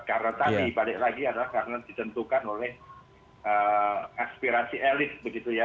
karena tadi balik lagi adalah karena ditentukan oleh aspirasi elit begitu ya